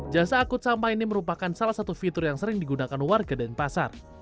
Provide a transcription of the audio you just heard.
jasa akut sampah ini merupakan salah satu fitur yang sering digunakan warga dan pasar